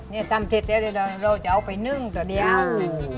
นี่จำพิเศษไว้เดี๋ยวเราจะเอาไปเนื่องหนึ่งเดียว